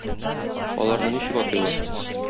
Аларны ничек атыйлар?